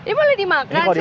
ini boleh dimakan celine